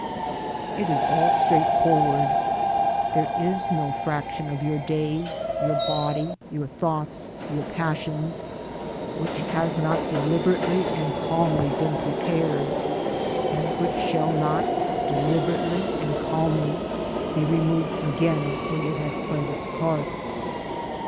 It is all straightforward. There is no fraction of your days, your body, your thoughts, your passions, which has not deliberately and calmly been prepared — and which shall not deliberately and calmly be removed again when it has played its part.